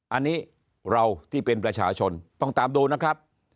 อันนี้เราที่เป็นประชาชนต้องตามดูนะครับ